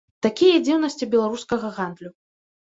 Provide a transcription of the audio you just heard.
Такія дзіўнасці беларускага гандлю.